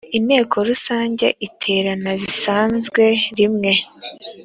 inteko rusange iterana bisanzwe rimwe